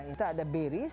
kita ada beris